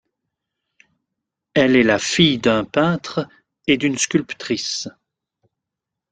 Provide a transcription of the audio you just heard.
Elle est la fille d'un peintre et d'une sculptrice.